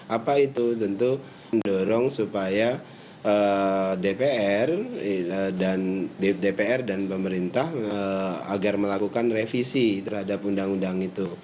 apa itu tentu mendorong supaya dpr dan pemerintah agar melakukan revisi terhadap undang undang itu